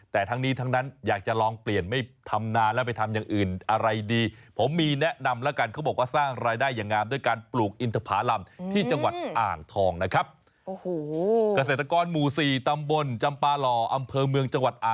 แต่ทั้งนี้ทั้งนั้นอยากจะลองเปลี่ยนท่ำนาและไปทำอย่างอื่น